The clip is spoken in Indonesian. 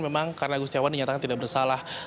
memang karena agustiawan dinyatakan tidak bersalah